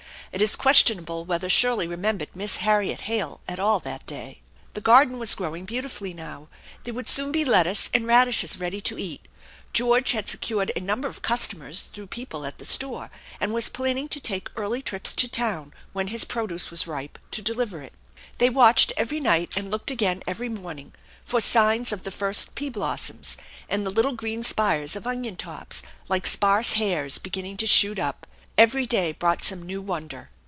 It is questionable whether Shirley remembered Miss Harriet Hale at all that day. The garden was growing beautifully now. There would soon be lettuce and radishes ready to eat. George had secured a number of customers through people at the store, and was planning to take early trips to town, when his produce was ripe, to deliver it. They watched every night and looked again every morning for signs of the first pea blossoms, and the little green spires of onion tops, like sparse hairs, begin ning to shoot up. Every day brought some new wonder.